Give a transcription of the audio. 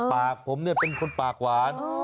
ปากผมเป็นคนปากหวาน